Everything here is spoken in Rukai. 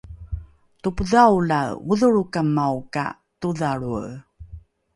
topodhaolae odholrokamao ka todhalroe